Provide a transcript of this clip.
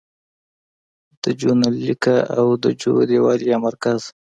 د جو نل لیکنه او د جو دیوالیه مرکز